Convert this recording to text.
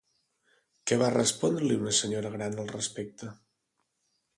Què va respondre-li una senyora gran al respecte?